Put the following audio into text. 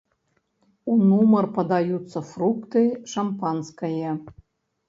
У нумар падаюцца фрукты шампанскае.